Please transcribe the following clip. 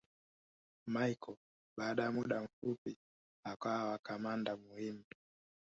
Machel baada ya muda mfupi akawa kamanda muhimu